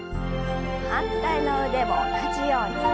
反対の腕も同じように。